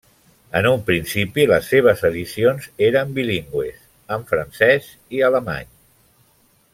En un principi les seves edicions eren bilingües, en francès i alemany.